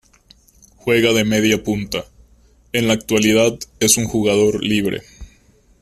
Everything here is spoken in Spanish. Juega de mediapunta, en la actualidad es un jugador libre.